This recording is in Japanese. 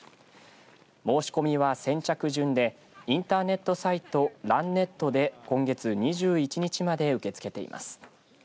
申し込みは先着順でインターネットサイトＲＵＮＮＥＴで今月２１日まで受け付けています。